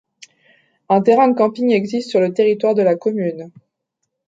Un terrain de camping existe sur le territoire de la commune.